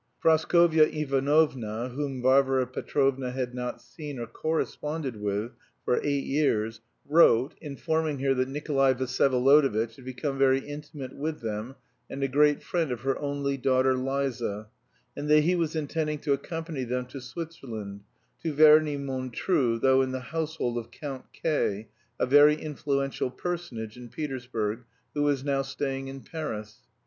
Praskovya Ivanovna, whom Varvara Petrovna had not seen or corresponded with for eight years, wrote, informing her that Nikolay Vsyevolodovitch had become very intimate with them and a great friend of her only daughter, Liza, and that he was intending to accompany them to Switzerland, to Verney Montreux, though in the household of Count K. (a very influential personage in Petersburg), who was now staying in Paris.